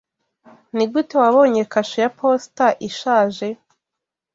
Nigute wabonye kashe ya posita ishaje?